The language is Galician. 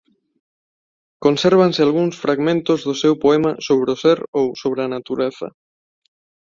Consérvanse algúns fragmentos do seu poema «Sobre o Ser» ou «Sobre a Natureza».